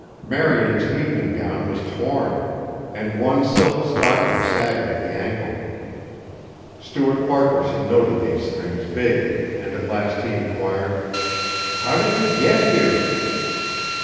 Marian's evening gown was torn and one silk stocking sagged at the ankle. Stuart Farquaharson noted these things vaguely and at last he inquired, "How did you get here?"